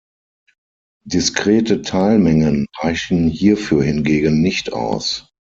Diskrete Teilmengen reichen hierfür hingegen nicht aus.